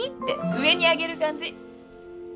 て上に上げる感じ。